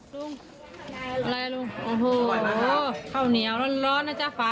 ลุงอะไรลุงโอ้โหข้าวเหนียวร้อนนะจ๊ะฝา